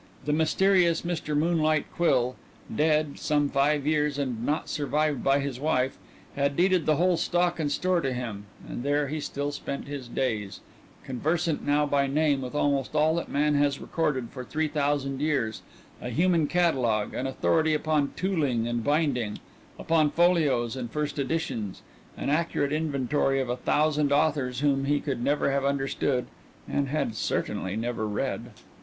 The mysterious Mr. Moonlight Quill, dead some five years and not survived by his wife, had deeded the whole stock and store to him, and there he still spent his days, conversant now by name with almost all that man has recorded for three thousand years, a human catalogue, an authority upon tooling and binding, upon folios and first editions, an accurate inventory of a thousand authors whom he could never have understood and had certainly never read.